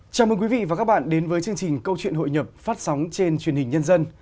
chào mừng quý vị và các bạn đến với chương trình câu chuyện hội nhập phát sóng trên truyền hình nhân dân